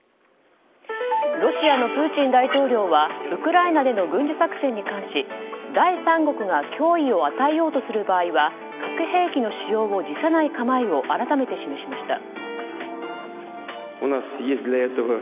ロシアのプーチン大統領はウクライナでの軍事作戦に関し第三国が脅威を与えようとする場合は、核兵器の使用を辞さない構えを改めて示しました。